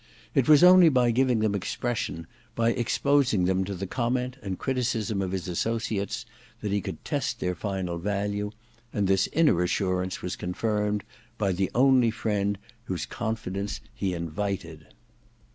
It was only by giving them expression, by exposing them to the comment and criticism of his associates, that he could test their final value ; and this inner assurance was confirmed by the only friend whose confidence he invited.